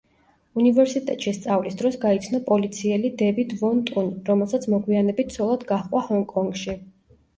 უნივერსიტეტში სწავლის დროს გაიცნო პოლიციელი დევიდ ვონ ტუნი, რომელსაც მოგვიანებით ცოლად გაჰყვა ჰონკონგში.